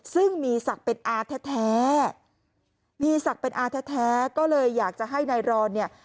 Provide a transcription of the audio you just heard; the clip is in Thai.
ซึ่งมีศักดิ์เป็นอาทแท้ก็เลยอยากจะให้นายรอนเนี่ย